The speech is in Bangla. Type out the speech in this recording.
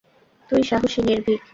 তুই সাহসী, নির্ভীক।